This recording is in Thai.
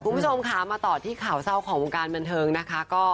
กลุ่มประชมมาต่อที่ข่าวเศร้าของบริการบันเทิงนะคะ